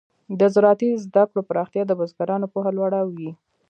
د زراعتي زده کړو پراختیا د بزګرانو پوهه لوړه وي.